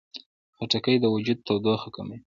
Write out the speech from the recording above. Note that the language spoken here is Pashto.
خټکی د وجود تودوخه کموي.